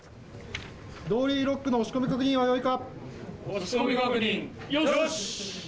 ドーリーロックの押し込み確認よいか。